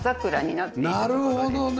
なるほどね。